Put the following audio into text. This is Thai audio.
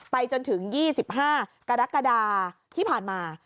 จนถึง๒๕กรกฎาที่ผ่านมา